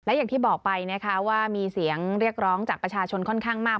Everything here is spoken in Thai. อย่างที่บอกไปนะคะว่ามีเสียงเรียกร้องจากประชาชนค่อนข้างมาก